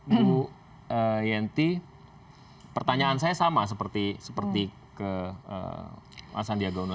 bu yenti pertanyaan saya sama seperti ke mas sandiaga uno